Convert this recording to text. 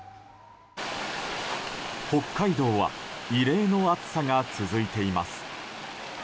北海道は異例の暑さが続いています。